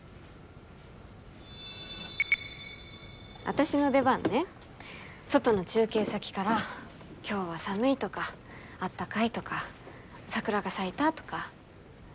私の出番ね外の中継先から今日は寒いとか暖かいとか桜が咲いたとか。